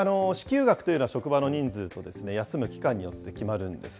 支給額というのは職場の人数と、休む期間によって決まるんです。